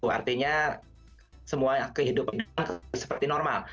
artinya semua kehidupan seperti normal